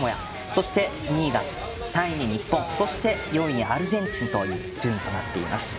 そして３位に日本４位にアルゼンチンという順位になっています。